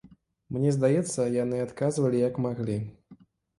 Мне здаецца, яны адказвалі, як маглі.